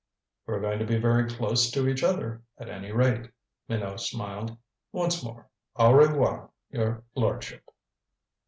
"We're going to be very close to each other, at any rate," Minot smiled. "Once more au revoir, your lordship."